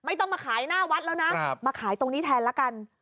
ไม่ต้องมาขายหน้าวัดแล้วนะมาขายตรงนี้แทนละกัน